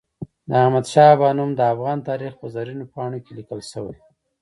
د احمد شاه بابا نوم د افغان تاریخ په زرینو پاڼو کې لیکل سوی.